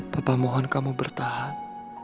papa mohon kamu bertahan